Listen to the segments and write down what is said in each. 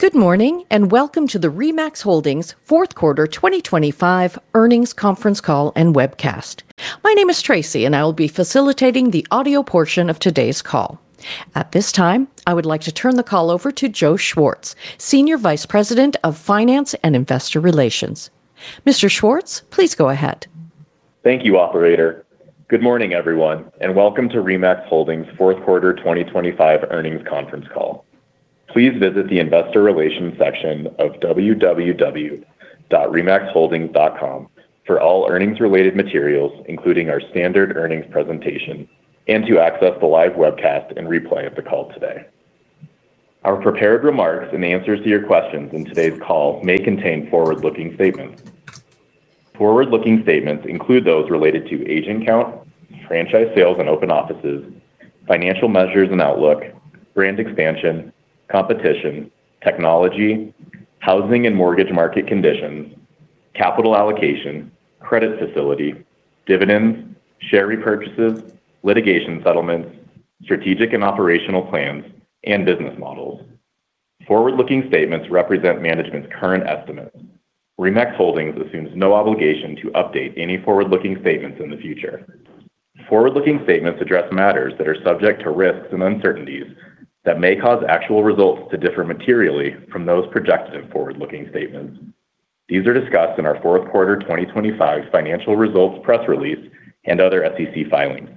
Good morning, and welcome to the RE/MAX Holdings fourth quarter 2025 Earnings Conference Call and Webcast. My name is Tracy, and I will be facilitating the audio portion of today's call. At this time, I would like to turn the call over to Joe Schwartz, Senior Vice President of Finance and Investor Relations. Mr. Schwartz, please go ahead. Thank you, operator. Good morning, everyone, and welcome to RE/MAX Holdings fourth quarter 2025 Earnings Conference Call. Please visit the Investor Relations section of www.remaxholdings.com for all earnings-related materials, including our standard earnings presentation, and to access the live webcast and replay of the call today. Our prepared remarks and answers to your questions in today's call may contain forward-looking statements. Forward-looking statements include those related to agent count, franchise sales and open offices, financial measures and outlook, brand expansion, competition, technology, housing and mortgage market conditions, capital allocation, credit facility, dividends, share repurchases, litigation settlements, strategic and operational plans, and business models. Forward-looking statements represent management's current estimates. RE/MAX Holdings assumes no obligation to update any forward-looking statements in the future. Forward-looking statements address matters that are subject to risks and uncertainties that may cause actual results to differ materially from those projected in forward-looking statements. These are discussed in our fourth quarter 2025 financial results press release and other SEC filings.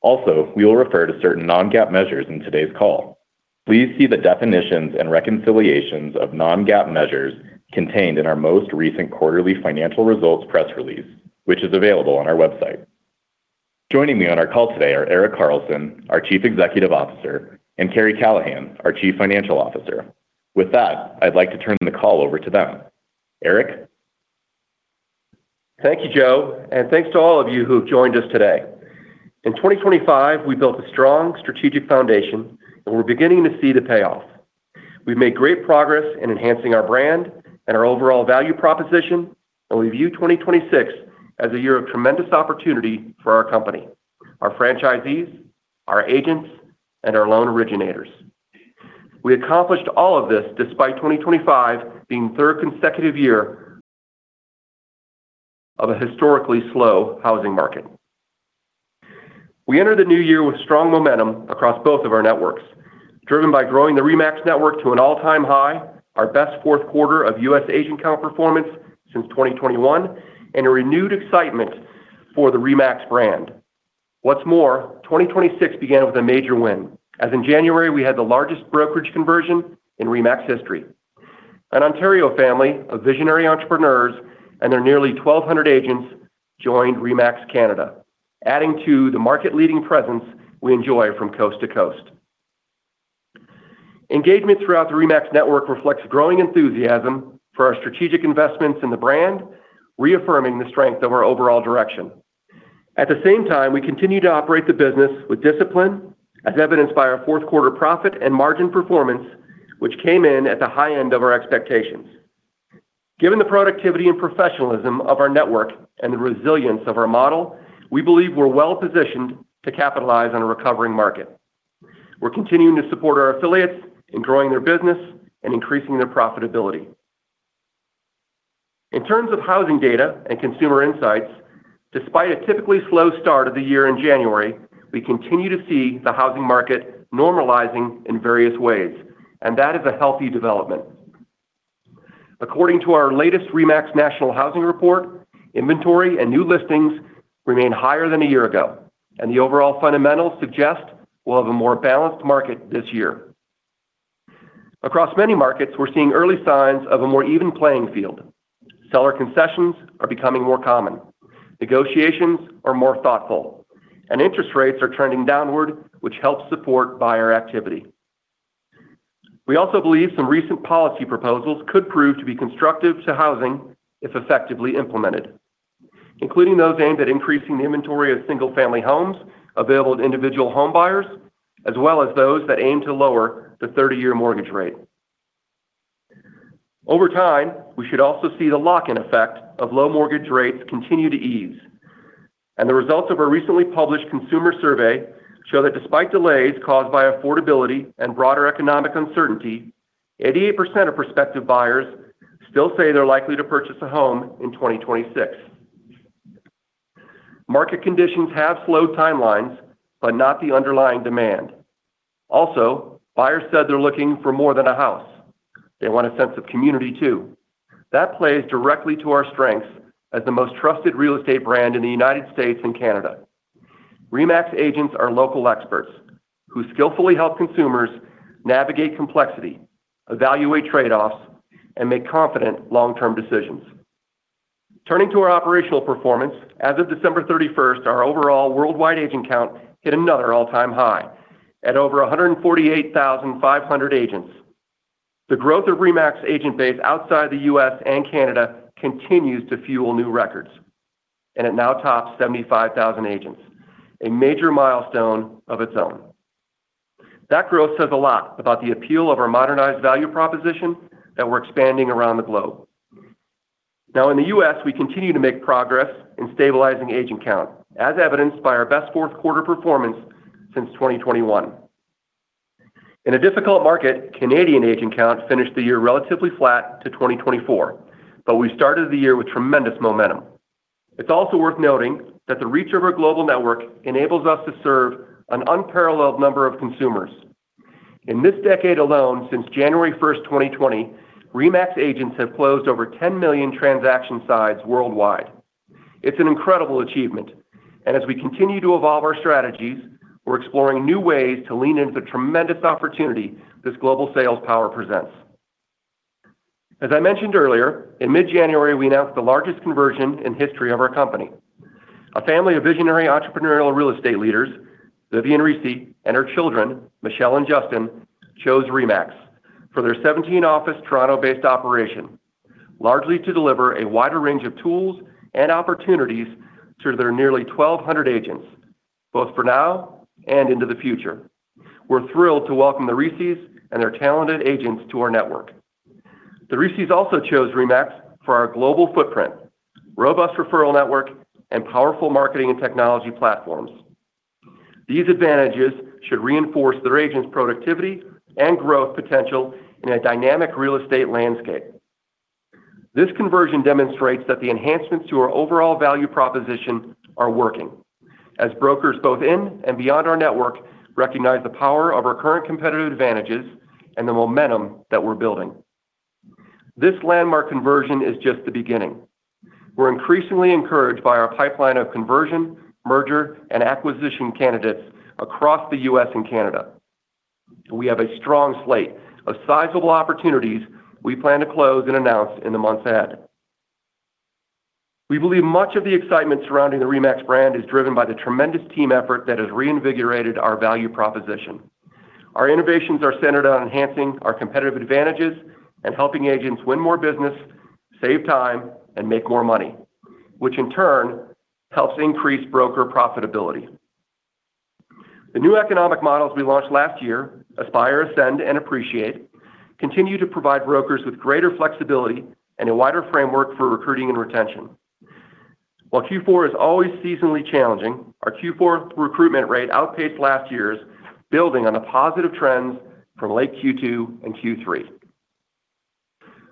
Also, we will refer to certain non-GAAP measures in today's call. Please see the definitions and reconciliations of non-GAAP measures contained in our most recent quarterly financial results press release, which is available on our website. Joining me on our call today are Erik Carlson, our Chief Executive Officer, and Karri Callahan, our Chief Financial Officer. With that, I'd like to turn the call over to them. Erik? Thank you, Joe, and thanks to all of you who have joined us today. In 2025, we built a strong strategic foundation, and we're beginning to see the payoff. We've made great progress in enhancing our brand and our overall value proposition, and we view 2026 as a year of tremendous opportunity for our company, our franchisees, our agents, and our loan originators. We accomplished all of this despite 2025 being the third consecutive year of a historically slow housing market. We entered the new year with strong momentum across both of our networks, driven by growing the RE/MAX network to an all-time high, our best fourth quarter of U.S. agent count performance since 2021, and a renewed excitement for the RE/MAX brand. What's more, 2026 began with a major win, as in January, we had the largest brokerage conversion in RE/MAX history. An Ontario family of visionary entrepreneurs and their nearly 1,200 agents joined RE/MAX Canada, adding to the market-leading presence we enjoy from coast to coast. Engagement throughout the RE/MAX network reflects growing enthusiasm for our strategic investments in the brand, reaffirming the strength of our overall direction. At the same time, we continue to operate the business with discipline, as evidenced by our fourth quarter profit and margin performance, which came in at the high end of our expectations. Given the productivity and professionalism of our network and the resilience of our model, we believe we're well-positioned to capitalize on a recovering market. We're continuing to support our affiliates in growing their business and increasing their profitability. In terms of housing data and consumer insights, despite a typically slow start of the year in January, we continue to see the housing market normalizing in various ways, and that is a healthy development. According to our latest RE/MAX National Housing Report, inventory and new listings remain higher than a year ago, and the overall fundamentals suggest we'll have a more balanced market this year. Across many markets, we're seeing early signs of a more even playing field. Seller concessions are becoming more common, negotiations are more thoughtful, and interest rates are trending downward, which helps support buyer activity. We also believe some recent policy proposals could prove to be constructive to housing if effectively implemented, including those aimed at increasing the inventory of single-family homes available to individual home buyers, as well as those that aim to lower the thirty-year mortgage rate. Over time, we should also see the lock-in effect of low mortgage rates continue to ease, and the results of a recently published consumer survey show that despite delays caused by affordability and broader economic uncertainty, 88% of prospective buyers still say they're likely to purchase a home in 2026. Market conditions have slowed timelines, but not the underlying demand. Also, buyers said they're looking for more than a house. They want a sense of community, too. That plays directly to our strengths as the most trusted real estate brand in the United States and Canada. RE/MAX agents are local experts who skillfully help consumers navigate complexity, evaluate trade-offs, and make confident long-term decisions. Turning to our operational performance, as of December 31, our overall worldwide agent count hit another all-time high at over 148,500 agents. The growth of RE/MAX agent base outside the U.S. and Canada continues to fuel new records, and it now tops 75,000 agents, a major milestone of its own. That growth says a lot about the appeal of our modernized value proposition that we're expanding around the globe. Now in the U.S., we continue to make progress in stabilizing agent count, as evidenced by our best fourth quarter performance since 2021. In a difficult market, Canadian agent count finished the year relatively flat to 2024, but we started the year with tremendous momentum. It's also worth noting that the reach of our global network enables us to serve an unparalleled number of consumers. In this decade alone, since January 1, 2020, RE/MAX agents have closed over 10 million transaction sides worldwide. It's an incredible achievement, and as we continue to evolve our strategies, we're exploring new ways to lean into the tremendous opportunity this global sales power presents. As I mentioned earlier, in mid-January, we announced the largest conversion in history of our company. A family of visionary entrepreneurial real estate leaders, Vivian Risi, and her children, Michelle and Justin, chose RE/MAX for their 17-office Toronto-based operation, largely to deliver a wider range of tools and opportunities to their nearly 1,200 agents, both for now and into the future. We're thrilled to welcome the Risis and their talented agents to our network. The Risis also chose RE/MAX for our global footprint, robust referral network, and powerful marketing and technology platforms. These advantages should reinforce their agents' productivity and growth potential in a dynamic real estate landscape. This conversion demonstrates that the enhancements to our overall value proposition are working as brokers, both in and beyond our network, recognize the power of our current competitive advantages and the momentum that we're building. This landmark conversion is just the beginning. We're increasingly encouraged by our pipeline of conversion, merger, and acquisition candidates across the U.S. and Canada. We have a strong slate of sizable opportunities we plan to close and announce in the months ahead. We believe much of the excitement surrounding the RE/MAX brand is driven by the tremendous team effort that has reinvigorated our value proposition. Our innovations are centered on enhancing our competitive advantages and helping agents win more business, save time, and make more money, which in turn helps increase broker profitability. The new economic models we launched last year, Aspire, Ascend, and Appreciate, continue to provide brokers with greater flexibility and a wider framework for recruiting and retention. While Q4 is always seasonally challenging, our Q4 recruitment rate outpaced last year's, building on the positive trends from late Q2 and Q3.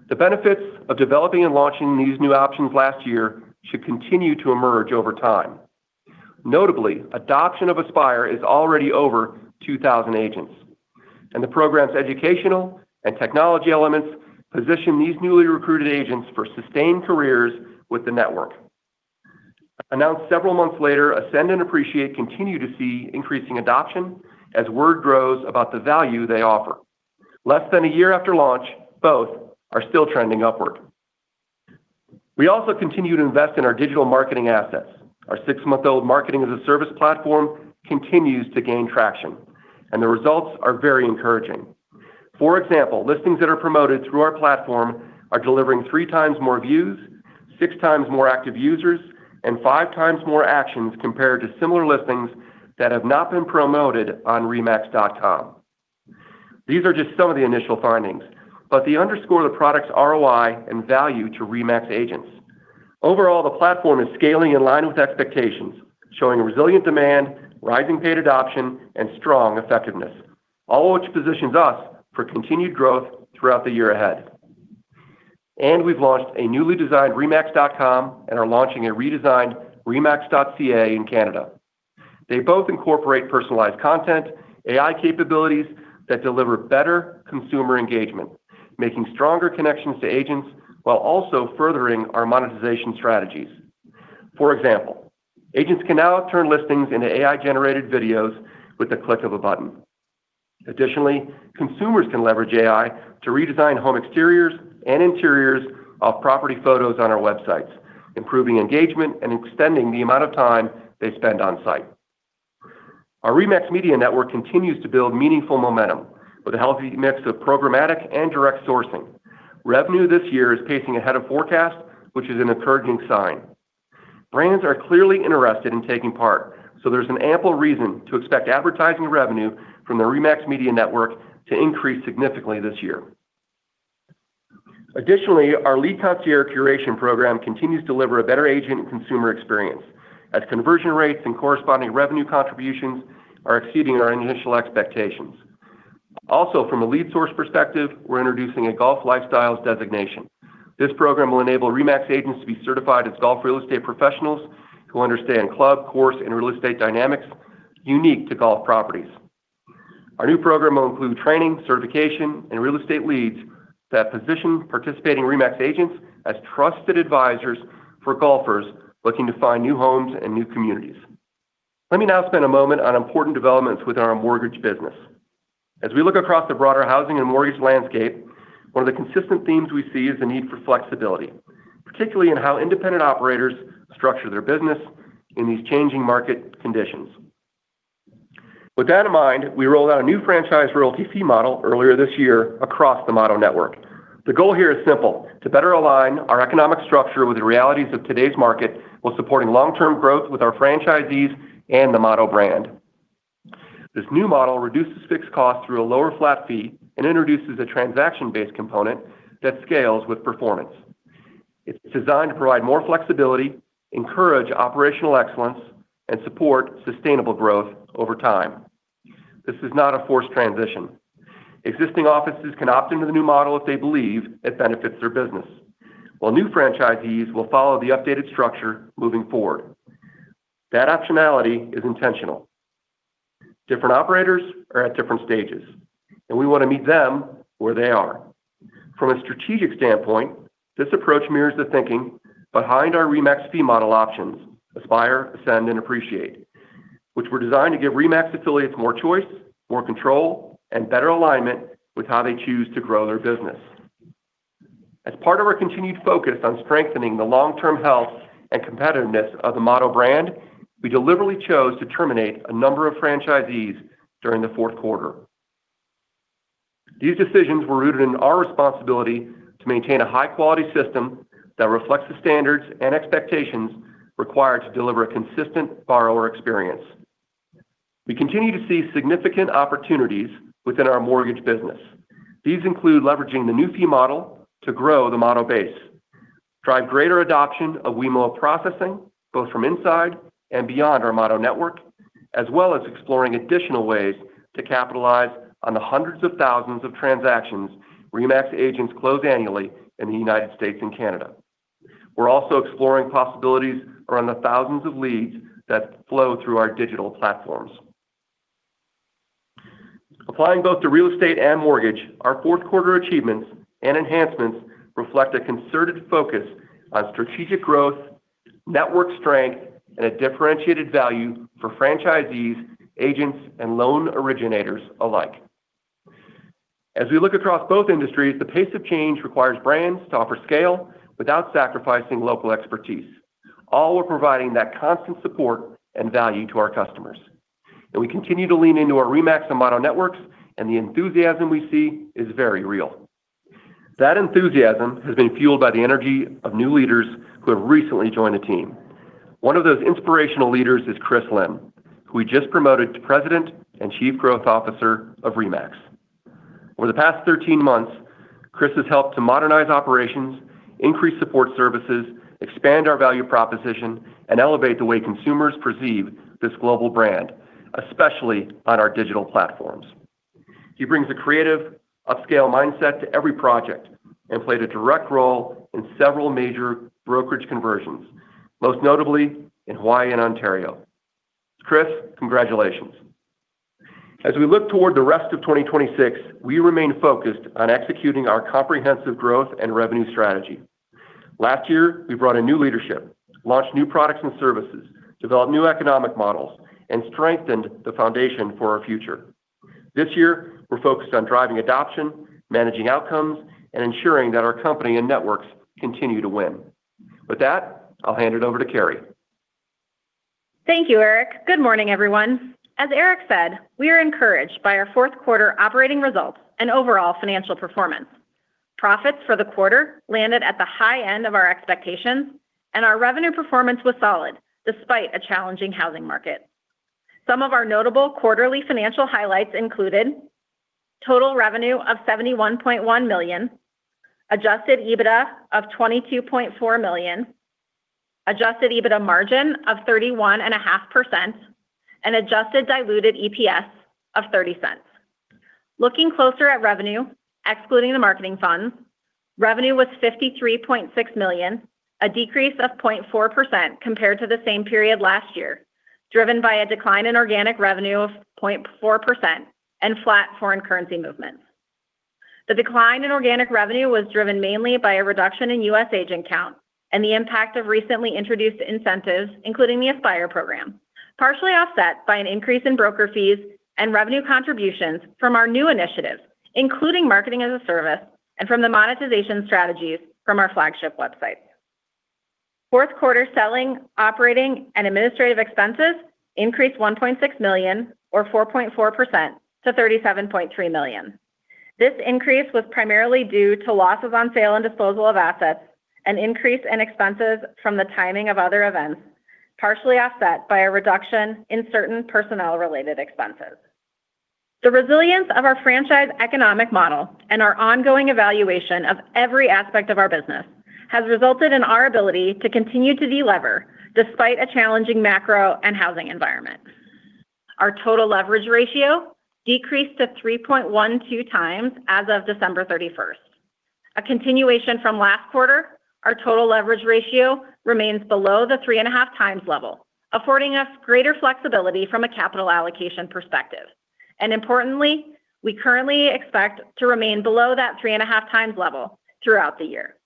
The benefits of developing and launching these new options last year should continue to emerge over time. Notably, adoption of Aspire is already over 2,000 agents, and the program's educational and technology elements position these newly recruited agents for sustained careers with the network. Announced several months later, Ascend and Appreciate continue to see increasing adoption as word grows about the value they offer. Less than a year after launch, both are still trending upward. We also continue to invest in our digital marketing assets. Our six-month-old Marketing as a Service platform continues to gain traction, and the results are very encouraging. For example, listings that are promoted through our platform are delivering three times more views, six times more active users, and five times more actions compared to similar listings that have not been promoted on remax.com. These are just some of the initial findings, but they underscore the product's ROI and value to RE/MAX agents. Overall, the platform is scaling in line with expectations, showing resilient demand, rising paid adoption, and strong effectiveness, all which positions us for continued growth throughout the year ahead. We've launched a newly designed remax.com and are launching a redesigned remax.ca in Canada. They both incorporate personalized content, AI capabilities that deliver better consumer engagement, making stronger connections to agents, while also furthering our monetization strategies. For example, agents can now turn listings into AI-generated videos with the click of a button. Additionally, consumers can leverage AI to redesign home exteriors and interiors of property photos on our websites, improving engagement and extending the amount of time they spend on site. Our RE/MAX Media Network continues to build meaningful momentum with a healthy mix of programmatic and direct sourcing. Revenue this year is pacing ahead of forecast, which is an encouraging sign. Brands are clearly interested in taking part, so there's an ample reason to expect advertising revenue from the RE/MAX Media Network to increase significantly this year. Additionally, our Lead Concierge Curation program continues to deliver a better agent and consumer experience, as conversion rates and corresponding revenue contributions are exceeding our initial expectations. Also, from a lead source perspective, we're introducing a Golf Lifestyles designation. This program will enable RE/MAX agents to be certified as golf real estate professionals who understand club, course, and real estate dynamics unique to golf properties. Our new program will include training, certification, and real estate leads that position participating RE/MAX agents as trusted advisors for golfers looking to find new homes and new communities. Let me now spend a moment on important developments with our mortgage business. As we look across the broader housing and mortgage landscape, one of the consistent themes we see is the need for flexibility, particularly in how independent operators structure their business in these changing market conditions. With that in mind, we rolled out a new franchise royalty fee model earlier this year across the Motto network. The goal here is simple: to better align our economic structure with the realities of today's market, while supporting long-term growth with our franchisees and the Motto brand.... This new model reduces fixed costs through a lower flat fee and introduces a transaction-based component that scales with performance. It's designed to provide more flexibility, encourage operational excellence, and support sustainable growth over time. This is not a forced transition. Existing offices can opt into the new model if they believe it benefits their business, while new franchisees will follow the updated structure moving forward. That optionality is intentional. Different operators are at different stages, and we want to meet them where they are. From a strategic standpoint, this approach mirrors the thinking behind our RE/MAX fee model options, Aspire, Ascend, and Appreciate, which were designed to give RE/MAX affiliates more choice, more control, and better alignment with how they choose to grow their business. As part of our continued focus on strengthening the long-term health and competitiveness of the Motto brand, we deliberately chose to terminate a number of franchisees during the fourth quarter. These decisions were rooted in our responsibility to maintain a high-quality system that reflects the standards and expectations required to deliver a consistent borrower experience. We continue to see significant opportunities within our mortgage business. These include leveraging the new fee model to grow the Motto base, drive greater adoption of wemlo processing, both from inside and beyond our Motto network, as well as exploring additional ways to capitalize on the hundreds of thousands of transactions RE/MAX agents close annually in the United States and Canada. We're also exploring possibilities around the thousands of leads that flow through our digital platforms. Applying both to real estate and mortgage, our fourth quarter achievements and enhancements reflect a concerted focus on strategic growth, network strength, and a differentiated value for franchisees, agents, and loan originators alike. As we look across both industries, the pace of change requires brands to offer scale without sacrificing local expertise, all while providing that constant support and value to our customers, and we continue to lean into our RE/MAX and Motto networks, and the enthusiasm we see is very real. That enthusiasm has been fueled by the energy of new leaders who have recently joined the team. One of those inspirational leaders is Chris Lim, who we just promoted to President and Chief Growth Officer of RE/MAX. Over the past 13 months, Chris has helped to modernize operations, increase support services, expand our value proposition, and elevate the way consumers perceive this global brand, especially on our digital platforms. He brings a creative, upscale mindset to every project and played a direct role in several major brokerage conversions, most notably in Hawaii and Ontario. Chris, congratulations. As we look toward the rest of 2026, we remain focused on executing our comprehensive growth and revenue strategy. Last year, we brought in new leadership, launched new products and services, developed new economic models, and strengthened the foundation for our future. This year, we're focused on driving adoption, managing outcomes, and ensuring that our company and networks continue to win. With that, I'll hand it over to Karri. Thank you, Erik. Good morning, everyone. As Erik said, we are encouraged by our fourth quarter operating results and overall financial performance. Profits for the quarter landed at the high end of our expectations, and our revenue performance was solid, despite a challenging housing market. Some of our notable quarterly financial highlights included: total revenue of $71.1 million, Adjusted EBITDA of $22.4 million, Adjusted EBITDA Margin of 31.5%, and Adjusted Diluted EPS of $0.30. Looking closer at revenue, excluding the marketing fund, revenue was $53.6 million, a decrease of 0.4% compared to the same period last year, driven by a decline in Organic Revenue of 0.4% and flat foreign currency movements. The decline in organic revenue was driven mainly by a reduction in U.S. agent count and the impact of recently introduced incentives, including the Aspire program, partially offset by an increase in broker fees and revenue contributions from our new initiatives, including marketing as a service and from the monetization strategies from our flagship website. Fourth quarter selling, operating, and administrative expenses increased $1.6 million, or 4.4% to $37.3 million. This increase was primarily due to losses on sale and disposal of assets, an increase in expenses from the timing of other events, partially offset by a reduction in certain personnel-related expenses. The resilience of our franchise economic model and our ongoing evaluation of every aspect of our business has resulted in our ability to continue to delever, despite a challenging macro and housing environment. Our total leverage ratio decreased to 3.12x as of December 31. A continuation from last quarter, our total leverage ratio remains below the 3.5x level, affording us greater flexibility from a capital allocation perspective. And importantly, we currently expect to remain below that 3.5x level throughout the year.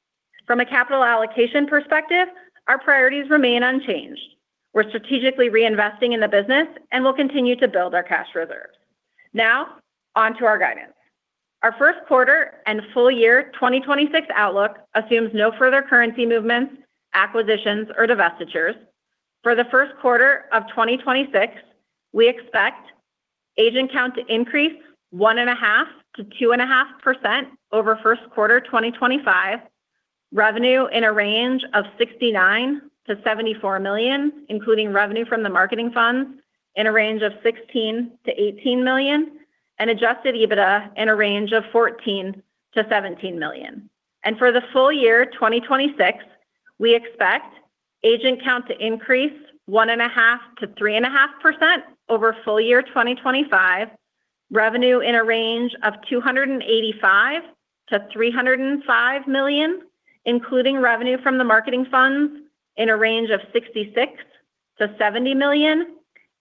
From a capital allocation perspective, our priorities remain unchanged. We're strategically reinvesting in the business and will continue to build our cash reserve. Now, on to our guidance. Our first quarter and full year 2026 outlook assumes no further currency movements, acquisitions, or divestitures. For the first quarter of 2026, we expect agent count to increase 1.5%-2.5% over first quarter 2025.... revenue in a range of $69-74 million, including revenue from the marketing funds in a range of $16-$18 million, and Adjusted EBITDA in a range of $14-$17 million. For the full year, 2026, we expect agent count to increase 1.5%-3.5% over full year 2025, revenue in a range of $285-305 million, including revenue from the marketing funds in a range of $66-70 million,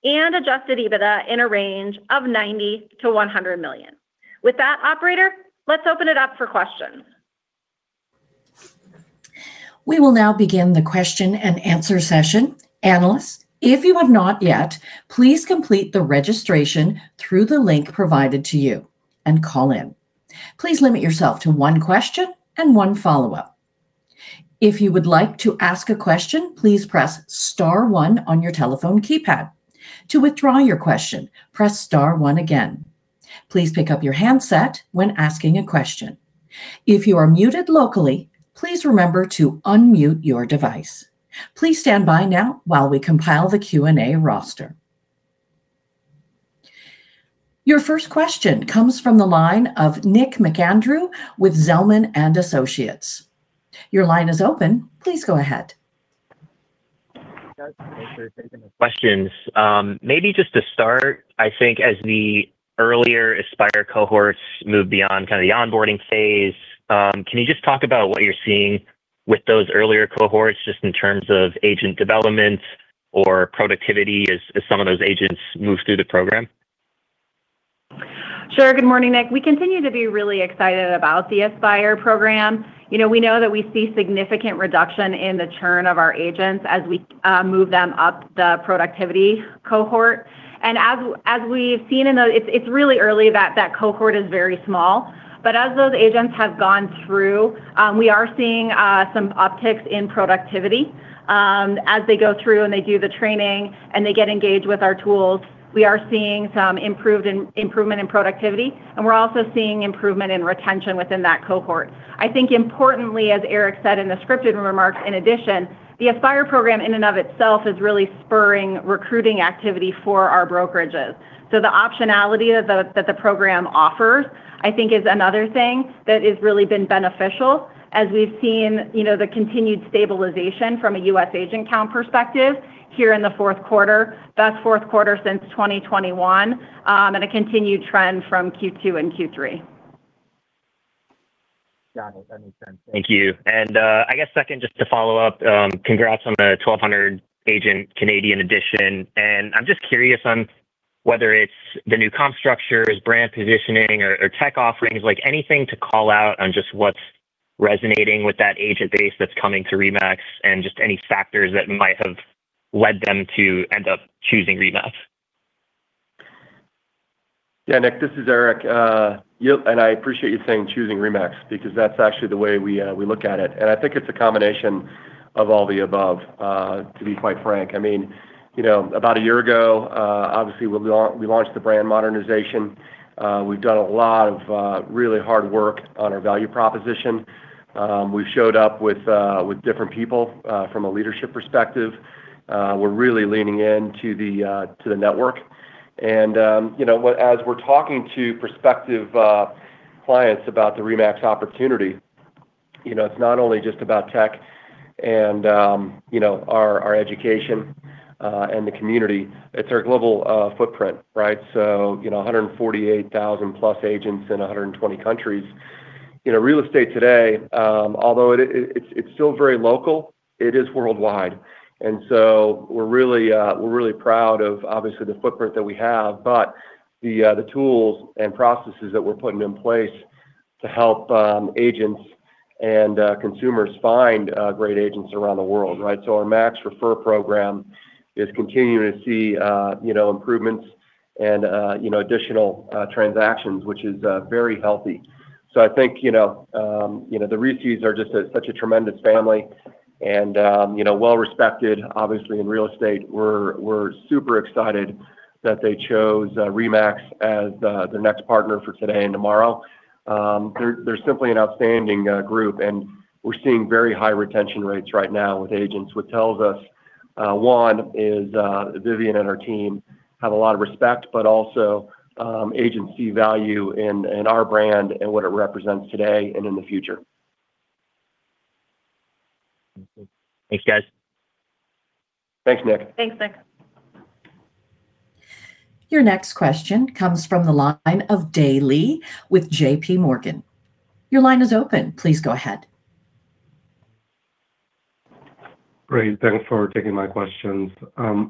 and Adjusted EBITDA in a range of $90-100 million. With that, operator, let's open it up for questions. We will now begin the question and answer session. Analysts, if you have not yet, please complete the registration through the link provided to you and call in. Please limit yourself to one question and one follow-up. If you would like to ask a question, please press star one on your telephone keypad. To withdraw your question, press star one again. Please pick up your handset when asking a question. If you are muted locally, please remember to unmute your device. Please stand by now while we compile the Q&A roster. Your first question comes from the line of Nick McAndrew with Zelman and Associates. Your line is open. Please go ahead. Thanks for taking the questions. Maybe just to start, I think as the earlier Aspire cohorts move beyond kind of the onboarding phase, can you just talk about what you're seeing with those earlier cohorts, just in terms of agent development or productivity as some of those agents move through the program? Sure. Good morning, Nick. We continue to be really excited about the Aspire program. You know, we know that we see significant reduction in the churn of our agents as we move them up the productivity cohort. And as we've seen, it's really early, that cohort is very small, but as those agents have gone through, we are seeing some upticks in productivity. As they go through and they do the training, and they get engaged with our tools, we are seeing some improvement in productivity, and we're also seeing improvement in retention within that cohort. I think importantly, as Erik said in the scripted remarks, in addition, the Aspire program in and of itself is really spurring recruiting activity for our brokerages. So the optionality that the program offers, I think is another thing that has really been beneficial as we've seen, you know, the continued stabilization from a U.S. agent count perspective here in the fourth quarter. Best fourth quarter since 2021, and a continued trend from Q2 and Q3. Got it. That makes sense. Thank you. And, I guess second, just to follow up, congrats on the 1,200 agent Canadian addition. And I'm just curious on whether it's the new comp structure, is brand positioning or, or tech offerings, like, anything to call out on just what's resonating with that agent base that's coming to RE/MAX, and just any factors that might have led them to end up choosing RE/MAX? Yeah, Nick, this is Erik. You and I appreciate you saying, "Choosing RE/MAX," because that's actually the way we look at it. I think it's a combination of all the above, to be quite frank. I mean, you know, about a year ago, obviously, we launched the brand modernization. We've done a lot of really hard work on our value proposition. We've showed up with different people from a leadership perspective. We're really leaning in to the network. You know what? As we're talking to prospective clients about the RE/MAX opportunity, you know, it's not only just about tech and our education and the community, it's our global footprint, right? So, you know, 148,000+ agents in 120 countries. You know, real estate today, although it's still very local, it is worldwide. And so we're really, we're really proud of obviously the footprint that we have, but the tools and processes that we're putting in place to help agents and consumers find great agents around the world, right? So our MAX/Refer program is continuing to see, you know, improvements and, you know, additional transactions, which is very healthy. So I think, you know, you know, the Risis are just such a tremendous family and, you know, well respected, obviously, in real estate. We're super excited that they chose RE/MAX as the next partner for today and tomorrow. They're simply an outstanding group, and we're seeing very high retention rates right now with agents, which tells us one is Vivian and her team have a lot of respect, but also agency value in our brand and what it represents today and in the future. Thanks, guys. Thanks, Nick. Thanks, Nick. Your next question comes from the line of Dae Lee with JPMorgan. Your line is open. Please go ahead. Great. Thanks for taking my questions. I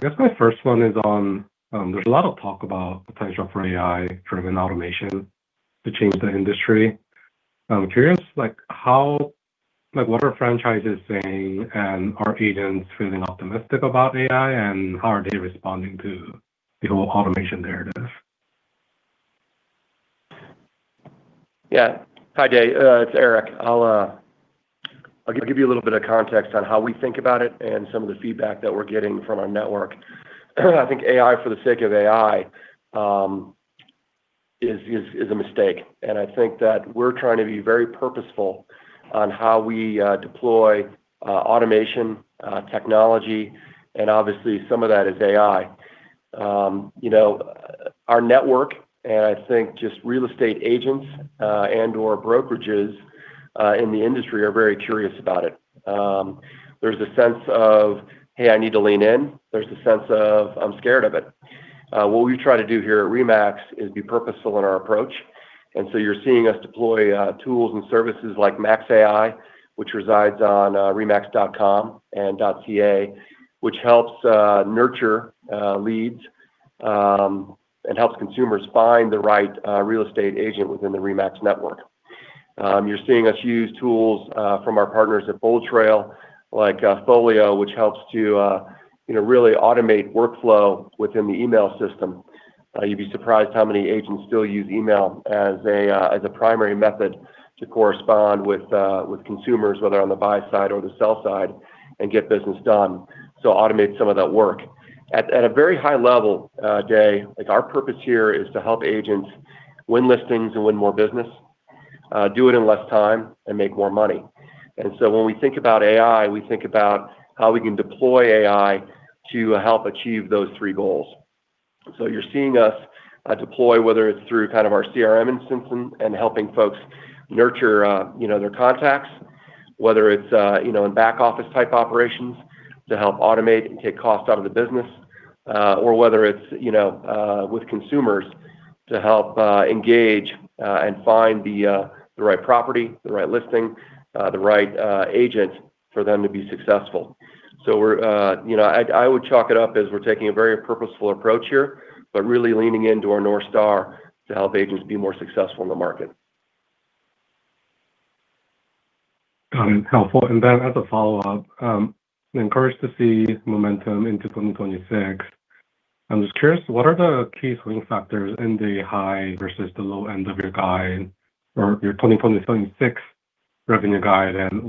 guess my first one is on... There's a lot of talk about the potential for AI-driven automation to change the industry. I'm curious, like, what are franchises saying, and are agents feeling optimistic about AI? And how are they responding to the whole automation narrative? Yeah. Hi, Dae. It's Erik. I'll give you a little bit of context on how we think about it and some of the feedback that we're getting from our network. I think AI, for the sake of AI, is a mistake. And I think that we're trying to be very purposeful on how we deploy automation technology, and obviously some of that is AI. You know, our network, and I think just real estate agents and/or brokerages in the industry are very curious about it. There's a sense of, "Hey, I need to lean in." There's a sense of, "I'm scared of it." What we try to do here at RE/MAX is be purposeful in our approach, and so you're seeing us deploy tools and services like MAX/AI, which resides on remax.com and remax.ca, which helps nurture leads and helps consumers find the right real estate agent within the RE/MAX network. You're seeing us use tools from our partners at BoldTrail, like Folio, which helps to you know, really automate workflow within the email system. You'd be surprised how many agents still use email as a primary method to correspond with consumers, whether on the buy side or the sell side, and get business done, so automate some of that work. At a very high level, Dae, like our purpose here is to help agents win listings and win more business, do it in less time and make more money. And so when we think about AI, we think about how we can deploy AI to help achieve those three goals. So you're seeing us deploy, whether it's through kind of our CRM instance and helping folks nurture, you know, their contacts, whether it's, you know, in back office type operations to help automate and take cost out of the business, or whether it's, you know, with consumers to help engage and find the, the right property, the right listing, the right agent for them to be successful. We're, you know, I would chalk it up as we're taking a very purposeful approach here, but really leaning into our North Star to help agents be more successful in the market. Got it. Helpful. And then as a follow-up, encouraged to see momentum into 2026. I'm just curious, what are the key swing factors in the high versus the low end of your guide or your 2026 revenue guide, and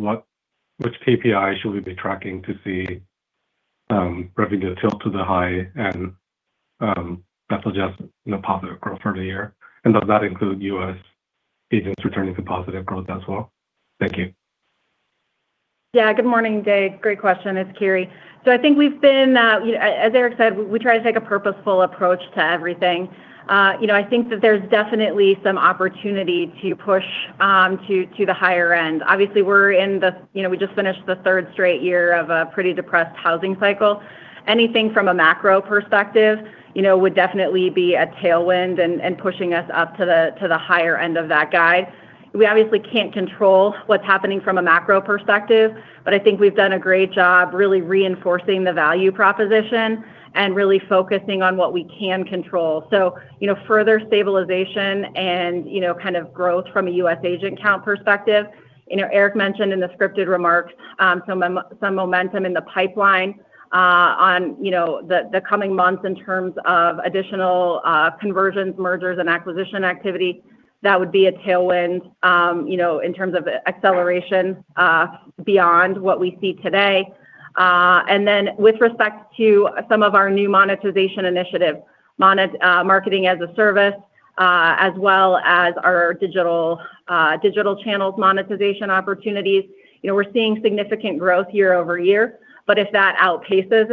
which KPI should we be tracking to see revenue tilt to the high and that suggest, you know, positive growth for the year? And does that include U.S. agents returning to positive growth as well? Thank you. Yeah. Good morning, Dae. Great question. It's Karri. So I think we've been, you know, as Erik said, we try to take a purposeful approach to everything. You know, I think that there's definitely some opportunity to push to the higher end. Obviously, we're in the... You know, we just finished the third straight year of a pretty depressed housing cycle. Anything from a macro perspective, you know, would definitely be a tailwind and pushing us up to the higher end of that guide. We obviously can't control what's happening from a macro perspective, but I think we've done a great job really reinforcing the value proposition and really focusing on what we can control. So, you know, further stabilization and, you know, kind of growth from a US agent count perspective. You know, Erik mentioned in the scripted remarks, some momentum in the pipeline, on, you know, the, the coming months in terms of additional, conversions, mergers, and acquisition activity. That would be a tailwind, you know, in terms of acceleration, beyond what we see today. And then with respect to some of our new monetization initiatives, Marketing-as-a-Service, as well as our digital, digital channels monetization opportunities, you know, we're seeing significant growth year-over-year, but if that outpaces,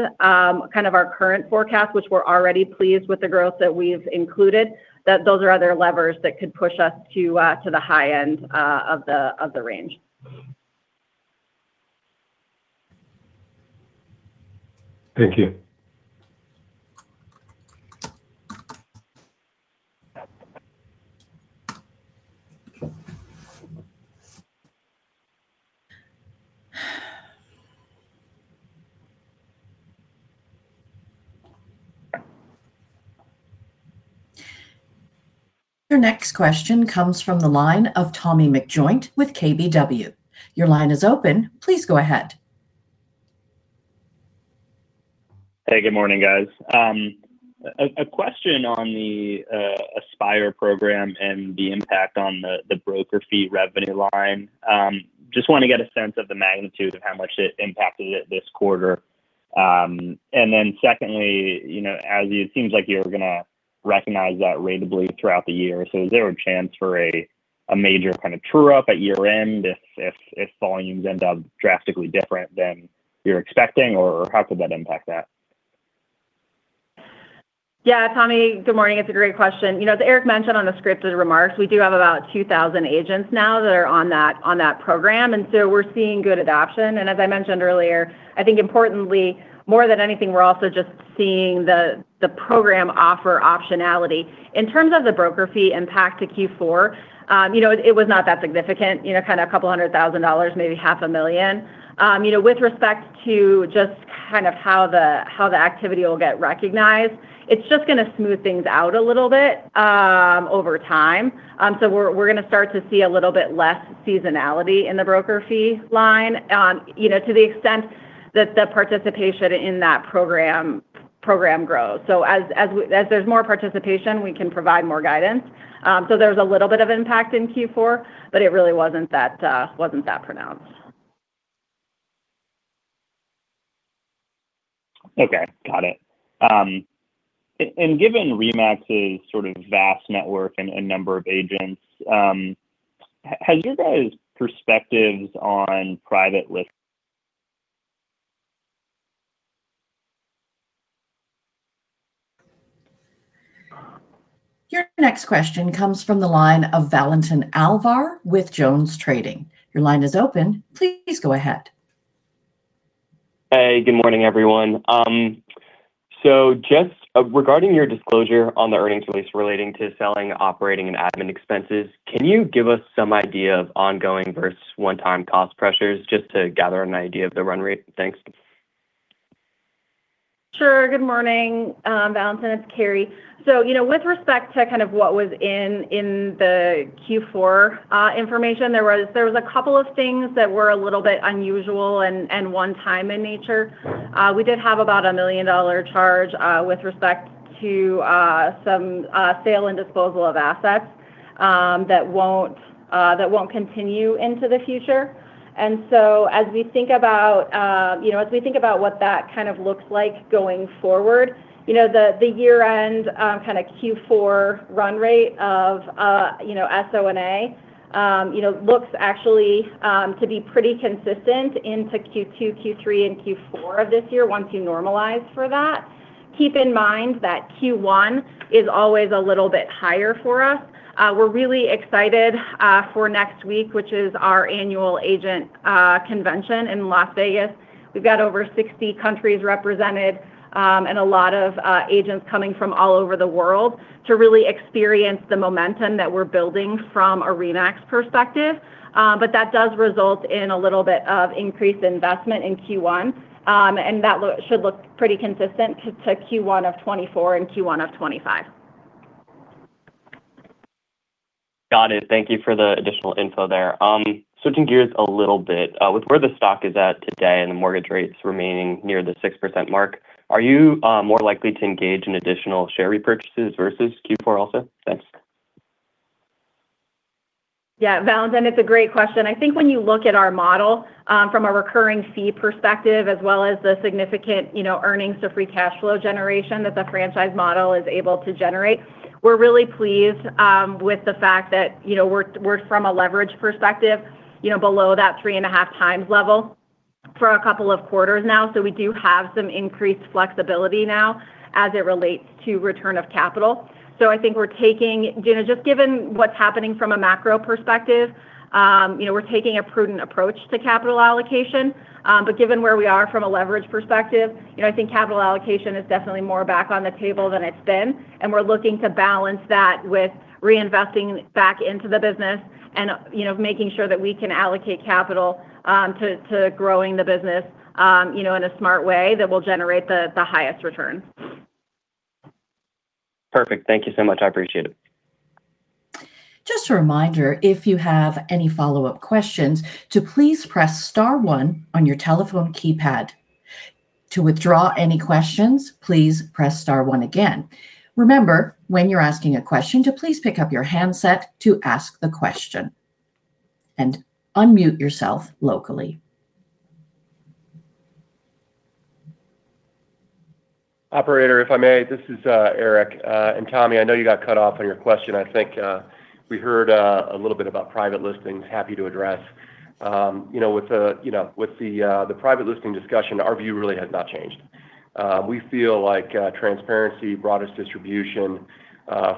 kind of our current forecast, which we're already pleased with the growth that we've included, that those are other levers that could push us to, to the high end, of the, of the range. Thank you. Your next question comes from the line of Tommy McJoynt with KBW. Your line is open. Please go ahead. Hey, good morning, guys. A question on the Aspire program and the impact on the broker fee revenue line. Just wanna get a sense of the magnitude of how much it impacted it this quarter. And then secondly, you know, as it seems like you're gonna recognize that ratably throughout the year, so is there a chance for a major kind of true up at year-end if volumes end up drastically different than you're expecting, or how could that impact that? Yeah, Tommy, good morning. It's a great question. You know, as Erik mentioned on the scripted remarks, we do have about 2,000 agents now that are on that program, and so we're seeing good adoption. And as I mentioned earlier, I think importantly, more than anything, we're also just seeing the program offer optionality. In terms of the broker fee impact to Q4, you know, it was not that significant, you know, kind of $200,000, maybe $500,000. You know, with respect to just kind of how the activity will get recognized, it's just gonna smooth things out a little bit over time. So we're gonna start to see a little bit less seasonality in the broker fee line, you know, to the extent that the participation in that program grows. So as there's more participation, we can provide more guidance. So there's a little bit of impact in Q4, but it really wasn't that pronounced.... Okay, got it. And given RE/MAX's sort of vast network and number of agents, has your guys' perspectives on private list- Your next question comes from the line of Valentin Alvar with JonesTrading. Your line is open, please go ahead. Hey, good morning, everyone. So just, regarding your disclosure on the earnings release relating to selling, operating, and administrative expenses, can you give us some idea of ongoing versus one-time cost pressures, just to gather an idea of the run rate? Thanks. Sure. Good morning, Valentin. It's Karri. So, you know, with respect to kind of what was in the Q4 information, there was a couple of things that were a little bit unusual and one-time in nature. We did have about a $1 million charge with respect to some sale and disposal of assets that won't continue into the future. And so as we think about, you know, what that kind of looks like going forward, you know, the year-end kind of Q4 run rate of SO&A looks actually to be pretty consistent into Q2, Q3, and Q4 of this year once you normalize for that. Keep in mind that Q1 is always a little bit higher for us. We're really excited for next week, which is our annual agent convention in Las Vegas. We've got over 60 countries represented, and a lot of agents coming from all over the world, to really experience the momentum that we're building from a RE/MAX perspective. But that does result in a little bit of increased investment in Q1, and that should look pretty consistent to Q1 of 2024 and Q1 of 2025. Got it. Thank you for the additional info there. Switching gears a little bit, with where the stock is at today and the mortgage rates remaining near the 6% mark, are you more likely to engage in additional share repurchases versus Q4 also? Thanks. Yeah, Valentin, it's a great question. I think when you look at our model, from a recurring fee perspective, as well as the significant, you know, earnings to free cash flow generation that the franchise model is able to generate, we're really pleased, with the fact that, you know, we're from a leverage perspective, you know, below that 3.5x level for a couple of quarters now. So we do have some increased flexibility now as it relates to return of capital. So I think we're taking... You know, just given what's happening from a macro perspective, you know, we're taking a prudent approach to capital allocation. But given where we are from a leverage perspective, you know, I think capital allocation is definitely more back on the table than it's been, and we're looking to balance that with reinvesting back into the business and, you know, making sure that we can allocate capital to growing the business, you know, in a smart way that will generate the highest return. Perfect. Thank you so much. I appreciate it. Just a reminder, if you have any follow-up questions, to please press star one on your telephone keypad. To withdraw any questions, please press star one again. Remember, when you're asking a question, to please pick up your handset to ask the question and unmute yourself locally. Operator, if I may, this is Erik. And Tommy, I know you got cut off on your question. I think we heard a little bit about private listings. Happy to address. You know, with the private listing discussion, our view really has not changed. We feel like transparency, broadest distribution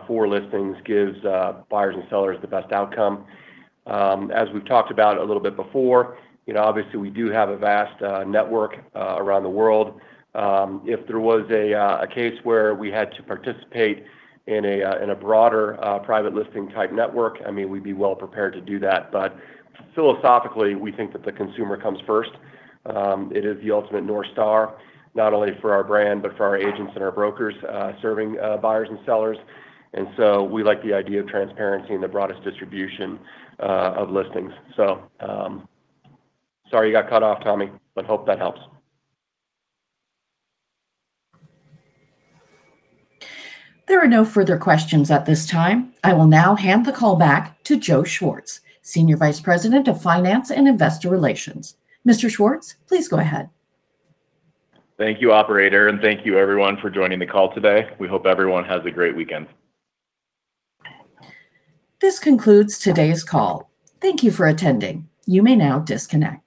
for listings gives buyers and sellers the best outcome. As we've talked about a little bit before, you know, obviously, we do have a vast network around the world. If there was a case where we had to participate in a broader private listing type network, I mean, we'd be well prepared to do that. But philosophically, we think that the consumer comes first. It is the ultimate North Star, not only for our brand, but for our agents and our brokers, serving buyers and sellers, and so we like the idea of transparency and the broadest distribution of listings. So, sorry you got cut off, Tommy, but hope that helps. There are no further questions at this time. I will now hand the call back to Joe Schwartz, Senior Vice President of Finance and Investor Relations. Mr. Schwartz, please go ahead. Thank you, operator, and thank you everyone for joining the call today. We hope everyone has a great weekend. This concludes today's call. Thank you for attending. You may now disconnect.